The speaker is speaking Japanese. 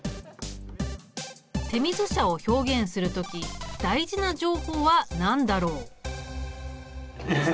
手水舎を表現する時大事な情報は何だろう？